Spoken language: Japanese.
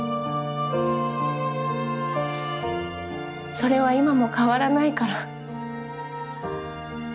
それは今も変わらないから。